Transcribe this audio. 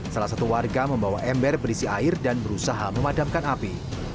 salah satu warga membawa ember berisi air dan berusaha memadamkan api